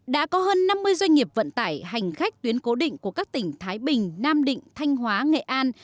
đã có hơn năm mươi doanh nghiệp vận tải hành khách tuyến cố định của các tỉnh thái bình nam định thanh hóa nghệ an